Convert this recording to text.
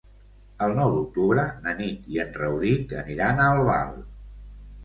El nou d'octubre na Nit i en Rauric aniran a Albal.